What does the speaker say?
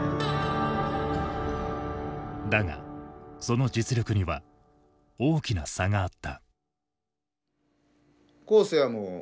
だがその実力には大きな差があった。